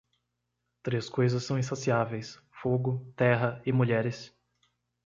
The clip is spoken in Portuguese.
Três coisas são insaciáveis: fogo, terra e mulheres.